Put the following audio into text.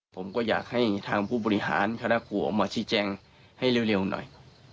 ผมก็อยากให้ทางผู้บริหารคณะครูออกมาชี้แจงให้เร็วหน่อย